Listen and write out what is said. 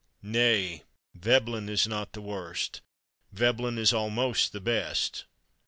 Nay, Veblen is not the worst. Veblen is almost the best.